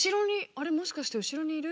あれもしかして後ろにいる？